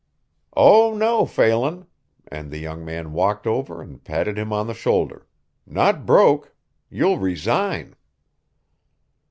"Oh, no, Phelan," and the young man walked over and patted him on the shoulder, "not broke you'll resign."